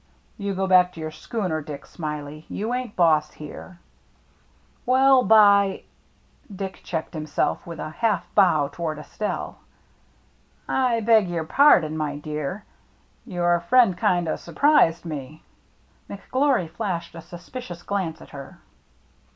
"You go back to your schooner, Dick Smiley. You ain't boss here." 114 THE MERRT ANNE " Well, by —" Dick checked himself, with a half bow toward Estelle. " I beg your par don, my dear. Your friend kind o* surprised me." McGlory flashed a suspicious glance at her.